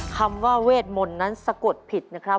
คำว่าเวทมนต์นั้นสะกดผิดนะครับ